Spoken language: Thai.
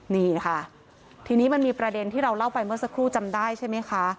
นี่ค่ะทีนี้มันมีประเด็นที่เราเล่าไปเมื่อสักครู่จำได้ใช่ไหมคะ